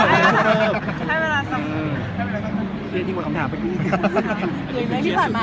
มันจะให้เวลาจำนวน